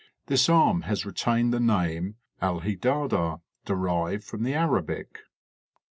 This arm has retained the name alhidada derived from the Arabic.